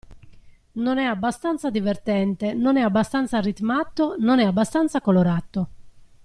Non è abbastanza divertente, non è abbastanza ritmato, non è abbastanza colorato.